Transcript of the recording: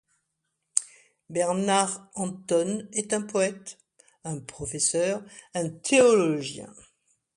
Bernard Anton est un poète, un professeur, un théologien.